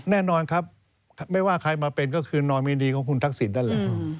แน่นอนครับไม่ว่าใครมาเป็นก็คือนอมินีของคุณทักษิณนั่นแหละ